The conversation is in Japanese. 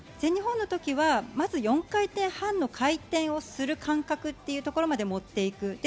全日本の時は４回転半の回転をする感覚というところまで持っていく。